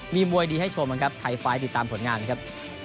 มีมวยดีให้ชมกันครับไทยไฟล์ติดตามผลงานครับ